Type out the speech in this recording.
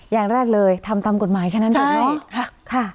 อย่างแรกเลยทำตามกฎหมายแค่นั้นถูกไหม